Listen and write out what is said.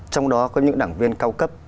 trong đó có những đảng viên cao cấp